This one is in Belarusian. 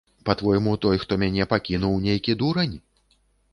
Па-твойму, той, хто мяне пакінуў, нейкі дурань?